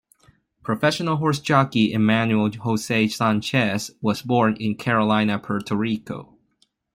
Professional horse jockey Emanuel Jose Sanchez was born in Carolina, Puerto Rico.